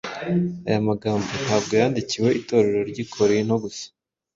Aya magambo ntabwo yandikiwe itorero ry’i Korinto gusa,